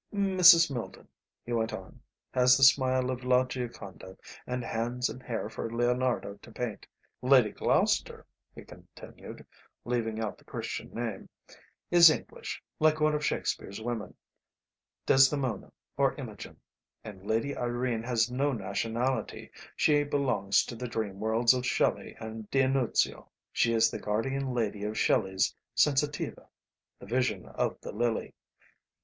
"Mrs. Milden," he went on, "has the smile of La Gioconda, and hands and hair for Leonardo to paint. Lady Gloucester," he continued, leaving out the Christian name, "is English, like one of Shakespeare's women, Desdemona or Imogen; and Lady Irene has no nationality, she belongs to the dream worlds of Shelley and D'Annunzio: she is the guardian Lady of Shelley's 'Sensitiva,' the vision of the lily.